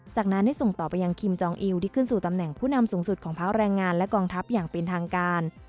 จากนั้นได้ส่งต่อไปยังคิมจองอิวที่ขึ้นสู่ตำแหน่งผู้นำสูงสุดของพักแรงงานและกองทัพอย่างเป็นทางการ